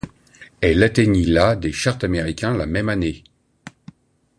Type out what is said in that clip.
Elle atteignit la des charts américains la même année.